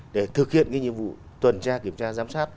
để thực hiện nhiệm vụ tuần tra kiểm tra giám sát